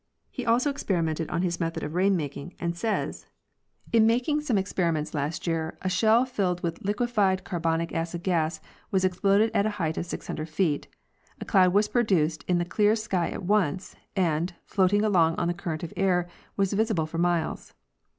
He also experimented on his method of rain making, and says (page 38) :>=" Gathman's Plan. bo In making some experiments last year, a shell filled with liquefied car bonie acid gas was exploded at a height of 600 feet; a cloud was produced in the clear sky at once, and, floating along on a current of air, was visible for miles.